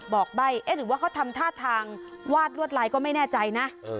ใบ้เอ๊ะหรือว่าเขาทำท่าทางวาดลวดลายก็ไม่แน่ใจนะ